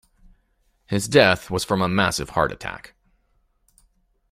His death was from a massive heart attack.